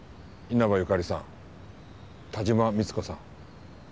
稲葉由香利さん田島三津子さん。